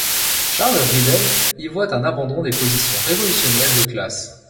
Charles Ridel y voit un abandon des positions révolutionnaires et de classe.